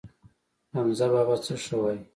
حمزه بابا څه ښه وايي.